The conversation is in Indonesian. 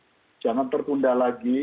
kita minta jangan tertunda lagi